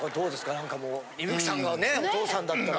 なんかもう伊吹さんがねえお父さんだったら。